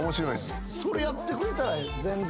それやってくれたら全然。